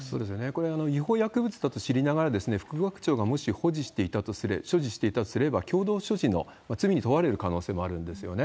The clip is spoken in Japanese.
これ、違法薬物だと知りながら、副学長がもし所持していたとすれば、共同所持の罪に問われる可能性もあるんですよね。